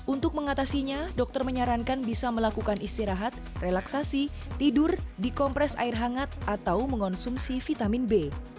untuk mengatasinya dokter menyarankan bisa melakukan istirahat relaksasi tidur di kompres air hangat atau mengonsumsi vitamin b